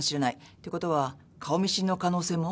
って事は顔見知りの可能性も。